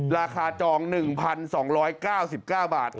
ราคาจอง๑๒๙๙บาท